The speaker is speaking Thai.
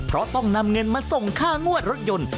เพราะต้องนำเงินมาส่งค่างวดรถยนต์